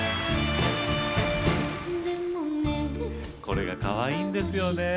これが、かわいいですよね！